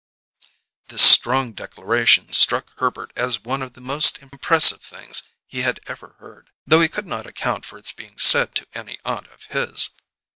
This strong declaration struck Herbert as one of the most impressive things he had ever heard, though he could not account for its being said to any aunt of his.